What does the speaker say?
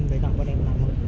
với cả bọn em